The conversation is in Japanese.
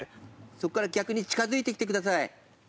そっから逆に近づいてきてください。